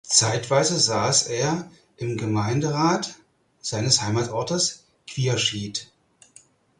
Zeitweise saß er im Gemeinderat seines Heimatortes Quierschied.